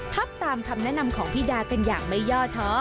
พักตามคำแนะนำของพี่ดากันอย่างไม่ย่อท้อ